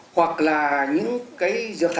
hoặc là những cái